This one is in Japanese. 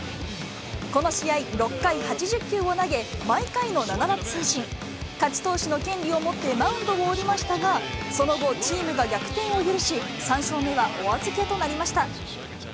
この試合、６回８０球を投げ、毎回の７奪三振、勝ち投手の権利を持ってマウンドを降りましたが、その後、チームが逆転を許し、３勝目はお預けとなりました。